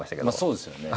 そうですよね。